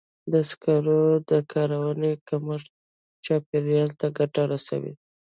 د سکرو د کارونې کمښت چاپېریال ته ګټه رسوي.